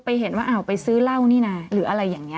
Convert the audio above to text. เห็นว่าอ้าวไปซื้อเหล้านี่นะหรืออะไรอย่างนี้